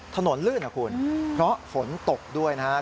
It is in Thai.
ถนนลื่นนะคุณเพราะฝนตกด้วยนะครับ